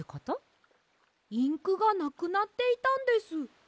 インクがなくなっていたんです。